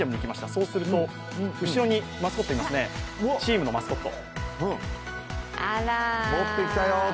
そうすると、後ろにマスコットいますね、チームのマスコット。